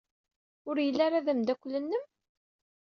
Ur yelli ara d ameddakel-nnem?